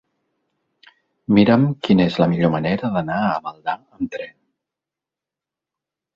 Mira'm quina és la millor manera d'anar a Maldà amb tren.